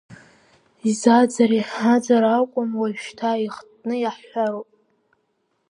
Изааӡари, аӡара акәым, уажәшьҭа ихтны иаҳҳәароуп…